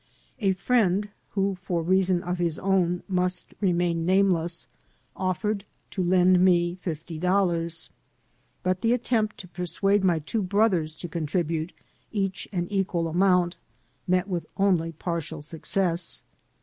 A friend (who, for reason of his own, must remain name less) offered to lend me fifty dollars. But the attempt to persuade my two brothers to contribute each an equal amount met with only partial success.